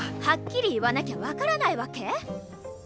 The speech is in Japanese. はっきり言わなきゃ分からないわけ？